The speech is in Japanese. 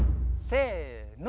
せの。